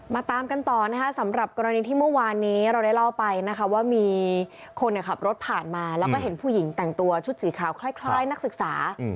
ตามกันต่อนะคะสำหรับกรณีที่เมื่อวานนี้เราได้เล่าไปนะคะว่ามีคนขับรถผ่านมาแล้วก็เห็นผู้หญิงแต่งตัวชุดสีขาวคล้ายนักศึกษา